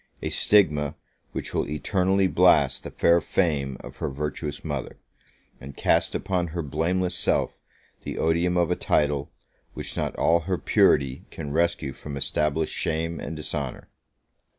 a stigma, which will eternally blast the fair fame of her virtuous mother, and cast upon her blameless self the odium of a title, which not all her purity can rescue from established shame and dishonour!